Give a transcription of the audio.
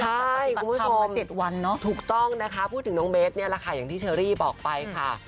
ใช่คุณทำมา๗วันเนอะถูกต้องนะคะพูดถึงน้องเบสเนี่ยแหละค่ะอย่างที่เชอรี่บอกไปค่ะ